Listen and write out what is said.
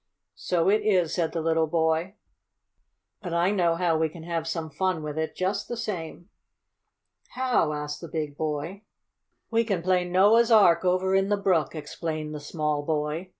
"So it is!" said the little boy. "But I know how we can have some fun with it, just the same!" "How?" asked the big boy. "We can play Noah's Ark over in the brook," explained the small boy.